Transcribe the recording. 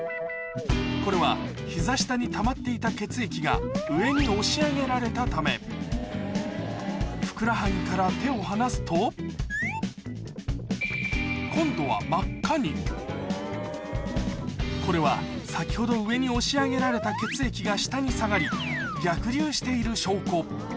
これは膝下にたまっていた血液が上に押し上げられたためふくらはぎから手を離すと今度は真っ赤にこれは先ほど上に押し上げられた血液が下に下がり逆流している証拠